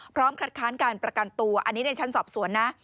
คัดค้านการประกันตัวอันนี้ในชั้นสอบสวนนะ